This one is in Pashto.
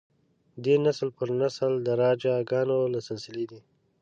دی نسل پر نسل د راجه ګانو له سلسلې دی.